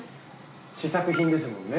試作品ですもんね。